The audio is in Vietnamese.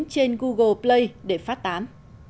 trên google play để phát tán